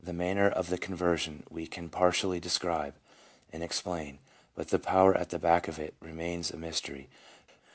317 manner of the conversion we can partially describe and explain, but the power at the back of it remains a mystery.